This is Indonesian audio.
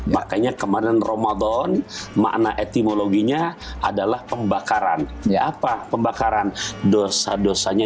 makanya kemarin ramadan makna etimologinya adalah pembakaran apa pembakaran dosa dosanya